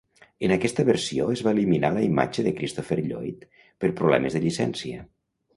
En aquesta versió es va eliminar la imatge de Christopher Lloyd per problemes de llicència.